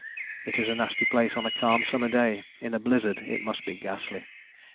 It is a nasty place on a calm summer day: in a blizzard it must be ghastly.